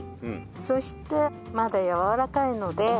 そしてまだやわらかいので。